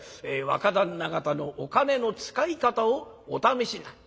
「若旦那方のお金の使い方をお試しになる」。